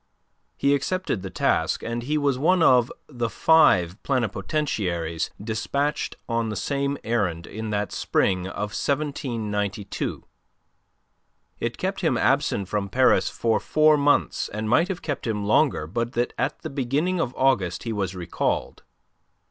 He accepted the task, and he was one of the five plenipotentiaries despatched on the same errand in that spring of 1792. It kept him absent from Paris for four months and might have kept him longer but that at the beginning of August he was recalled.